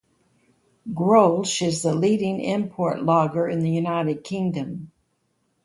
Grolsch is the leading import lager in the United Kingdom.